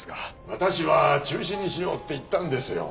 私は中止にしようって言ったんですよ。